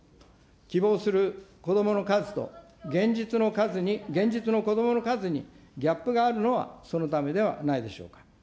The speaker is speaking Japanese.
希望する子どもの数と現実の数に、現実の子どもの数にギャップがあるのはそのためではないでしょうか。